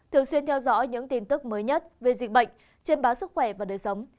thường xuyên theo dõi những tin tức mới nhất về dịch bệnh trên báo sức khỏe và đời sống